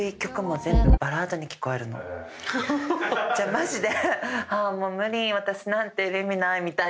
マジで。